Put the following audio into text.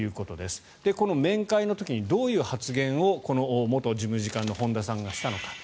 この面会の時に、どういう発言をこの元事務次官の本田さんがしたのか。